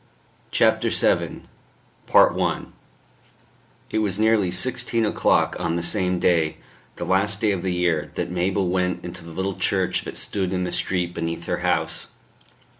CHAPTER VII I It was nearly sixteen o'clock on the same day, the last day of the year, that Mabel went into the little church that stood in the street beneath her house.